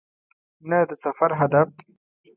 نه د سفر هدف .